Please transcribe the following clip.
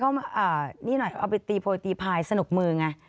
ใครไม่มานี่หน่อยเอาไปตีโพลิตีภายสนุกมื้อไง